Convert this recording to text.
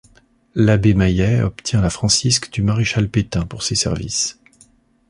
L’abbé Maillet obtient la francisque du maréchal Pétain pour ses services.